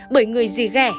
bởi người gì ghẻ